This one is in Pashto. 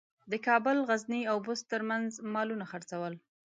د کابل، غزني او بُست ترمنځ مالونه څرول.